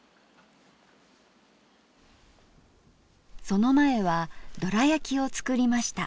その前はどらやきを作りました。